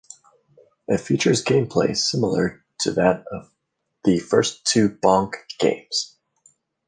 It features gameplay similar to that of the first two Bonk games.